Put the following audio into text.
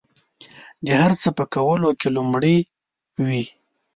د هر څه په کولو کې لومړي وي.